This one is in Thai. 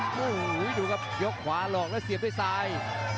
โอ้โหดูครับยกขวาหลอกแล้วเสียบด้วยซ้าย